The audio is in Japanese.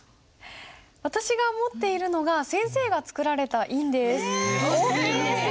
私が持っているのが先生が作られた印です。